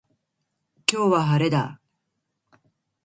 今日は、晴れだ。